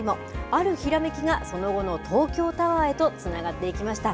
あるひらめきが、その後の東京タワーへとつながっていきました。